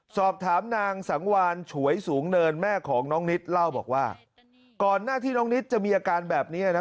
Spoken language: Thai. สอบถามนางสังวานฉวยสูงเนินแม่ของน้องนิดเล่าบอกว่าก่อนหน้าที่น้องนิดจะมีอาการแบบนี้นะ